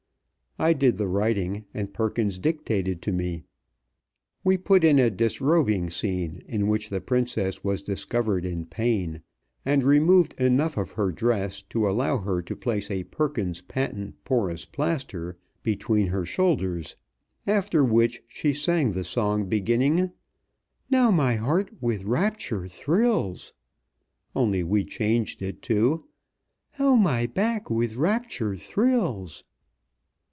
I did the writing and Perkins dictated to me. We put in a disrobing scene, in which the Princess was discovered in pain, and removed enough of her dress to allow her to place a Perkins's Patent Porous Plaster between her shoulders, after which she sang the song beginning, "Now my heart with rapture thrills," only we changed it to: "How my back with rapture thrills."